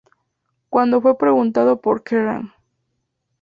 Cuando fue preguntado por "Kerrang!